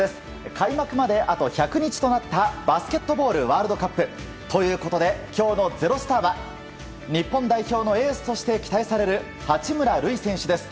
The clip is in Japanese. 開幕まで、あと１００日となったバスケットボールワールドカップ。ということで、今日の「＃ｚｅｒｏｓｔａｒ」は日本代表のエースとして期待される八村塁選手です。